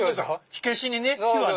火消しに「ひ」はね。